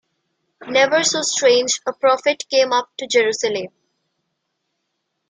Never so strange a prophet came up to Jerusalem.